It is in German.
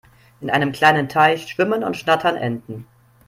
In einem kleinen Teich schwimmen und schnattern Enten.